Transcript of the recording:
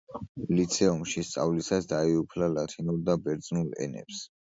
ლიცეუმში სწავლისას დაეუფლა ლათინურ და ბერძნულ ენებს.